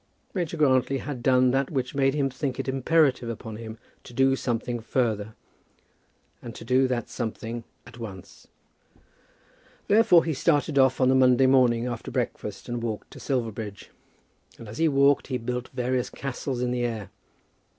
Major Grantly had done that which made him think it imperative upon him to do something further, and to do that something at once. Therefore he started off on the Monday morning after breakfast and walked to Silverbridge, and as he walked he built various castles in the air.